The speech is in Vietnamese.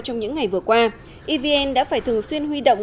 trong những ngày vừa qua evn đã phải thường xuyên huy động